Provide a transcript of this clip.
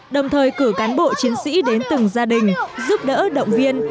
đồng thời cử cán bộ chiến sĩ đến từng gia đình giúp đỡ động viên